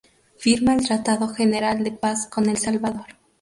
Firma el Tratado general de paz con El Salvador.